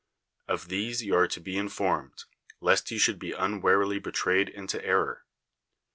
Of these you are to be informed, lest you should be unwarily betrayed into error.